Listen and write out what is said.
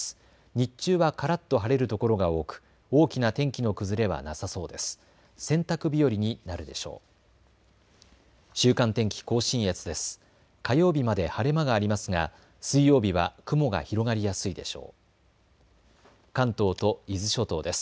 日中はからっと晴れるところが多く大きな天気の崩れはなさそうです。